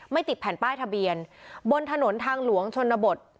ติดแผ่นป้ายทะเบียนบนถนนทางหลวงชนบท